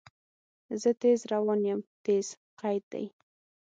زه تیز روان یم – "تیز" قید دی.